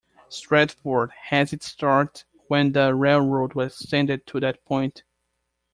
Stratford had its start when the railroad was extended to that point.